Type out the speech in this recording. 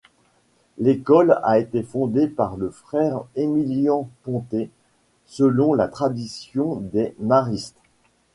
L'école a été fondée par le frère Emilian Pontet, selon la tradition des Maristes.